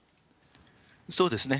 そうですね。